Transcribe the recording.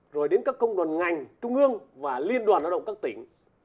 rồi đến các công đoàn ngành trung ương và liên đoàn lao động các tỉnh